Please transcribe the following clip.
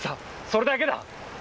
それだけだ。